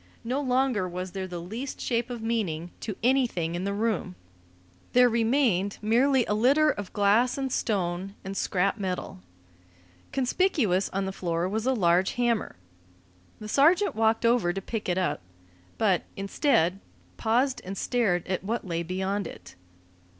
No longer was there the least shape of meaning to anything in the room; there remained merely a litter of glass and stone and scrap metal. Conspicuous on the floor was a large hammer. The sergeant walked over to pick it up, but, instead, paused and stared at what lay beyond it.